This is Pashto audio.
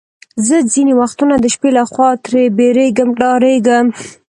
زه ځینې وختونه د شپې له خوا ترې بیریږم، ډارېږم.